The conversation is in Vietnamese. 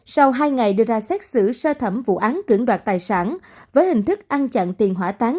sau hai ngày đưa ra xét xử sơ thẩm vụ án cưỡng đoạt tài sản với hình thức ăn chặn tiền hỏa táng